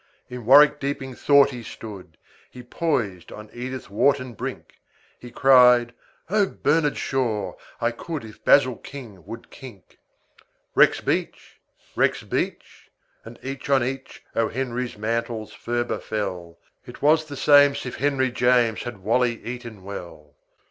In warwick deeping thought he stood He poised on edithwharton brink; He cried, "Ohbernardshaw! I could If basilking would kink." Rexbeach! rexbeach! and each on each O. Henry's mantles ferber fell. It was the same'sif henryjames Had wally eaton well.